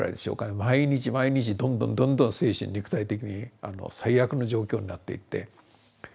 毎日毎日どんどんどんどん精神肉体的に最悪の状況になっていって。